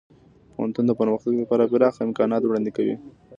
پوهنتون د پرمختګ لپاره پراخه امکانات وړاندې کوي.